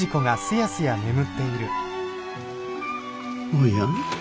おや？